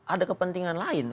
ada kepentingan lain